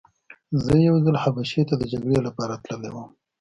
زه یو ځل حبشې ته د جګړې لپاره تللی وم.